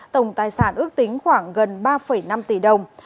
tổng tài sản ước tính khoảng gần ba năm tỷ đồng